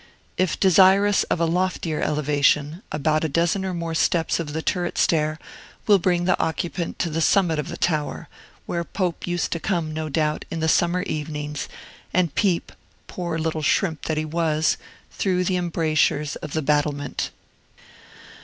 If desirous of a loftier elevation, about a dozen more steps of the turret stair will bring the occupant to the summit of the tower, where Pope used to come, no doubt, in the summer evenings, and peep poor little shrimp that he was! through the embrasures of the battlement.